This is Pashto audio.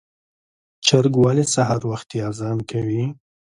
چرګ ولې سهار وختي اذان کوي؟